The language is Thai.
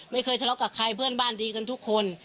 ไม่เคยทะเลาะกับใครเพื่อนบ้านดีกันทุกคน